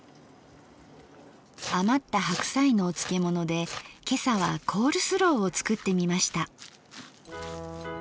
余った白菜のお漬物で今朝はコールスローを作ってみました。